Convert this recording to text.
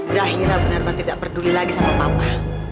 zahira beneran tidak peduli lagi sama papa